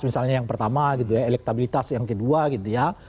misalnya yang pertama gitu ya elektabilitas yang kedua gitu ya